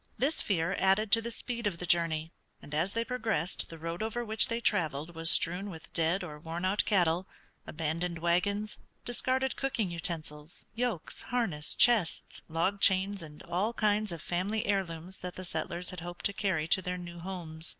This fear added to the speed of the journey, and as they progressed the road over which they traveled was strewn with dead or worn out cattle, abandoned wagons, discarded cooking utensils, yokes, harness, chests, log chains, and all kinds of family heirlooms that the settlers had hoped to carry to their new homes.